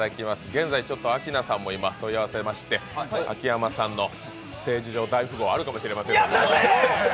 現在アキナさんも問い合わせまして秋山さんのステージ上「大富豪」あるかもしれません。